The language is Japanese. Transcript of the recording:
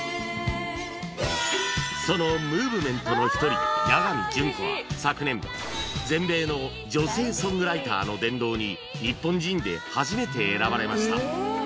そのムーブメントの一人八神純子は昨年全米の女性ソングライターの殿堂に日本人で初めて選ばれました